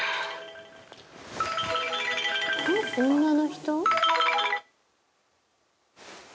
「女の人？」